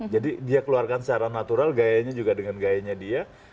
jadi dia keluarkan secara natural gayanya juga dengan gayanya dia